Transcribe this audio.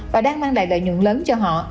và đang mang lại lợi nhuận lớn cho họ